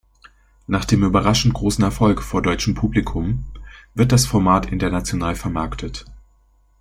Nach dem überraschend großen Erfolg vor deutschem Publikum wird das Format international vermarktet.